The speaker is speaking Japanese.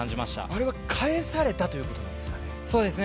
あれは返されたということなんですか？